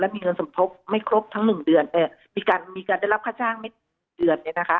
แล้วมีเงินสมทบไม่ครบทั้ง๑เดือนมีการได้รับค่าจ้างไม่ถึง๑เดือนเนี่ยนะคะ